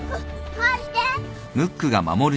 返して。